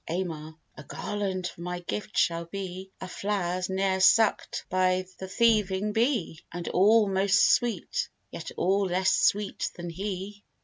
AMAR. A garland for my gift shall be, Of flowers ne'er suck'd by th' thieving bee; And all most sweet, yet all less sweet than he.